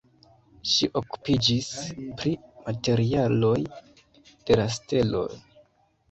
Ŝi okupiĝis pri materialoj de la steloj.